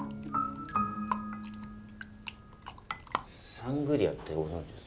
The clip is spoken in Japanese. サングリアってご存じですか？